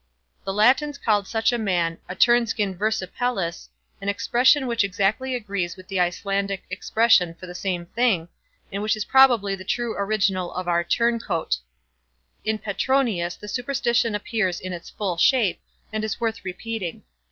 The Latins called such a man, a turnskin—versipellis, an expression which exactly agrees with the Icelandic expression for the same thing, and which is probably the true original of our turncoat. In Petronius the superstition appears in its full shape, and is worth repeating.